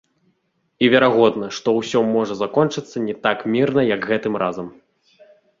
І верагодна, што ўсё можа закончыцца не так мірна, як гэтым разам.